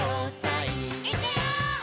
「いくよー！」